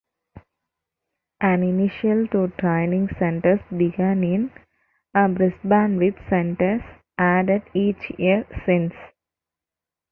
An initial two training centres began in Brisbane with centres added each year since.